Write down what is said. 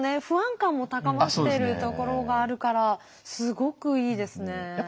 不安感も高まってるところがあるからすごくいいですね。